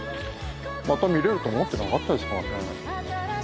また見れると思ってなかったです